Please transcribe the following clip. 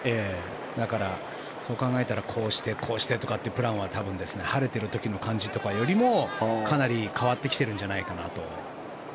だから、そう考えたらこうしてこうしてとかってプランは多分、晴れている時の感じよりもかなり変わってきてるんじゃないかなと。